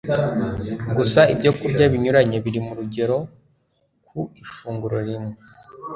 gusa ibyokurya binyuranye biri mu rugero ku ifunguro rimwe